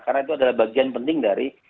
karena itu adalah bagian penting dari